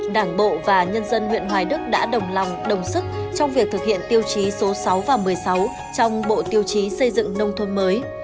đảng bộ và nhân dân huyện hoài đức đã đồng lòng đồng sức trong việc thực hiện tiêu chí số sáu và một mươi sáu trong bộ tiêu chí xây dựng nông thôn mới